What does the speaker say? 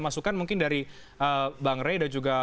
masukan mungkin dari bang rey dan juga